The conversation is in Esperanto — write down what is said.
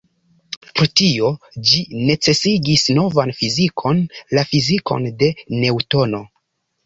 Pro tio, ĝi necesigis novan fizikon, la fizikon de Neŭtono.